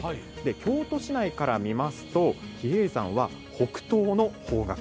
京都市内から見ますと比叡山は、北東の方角。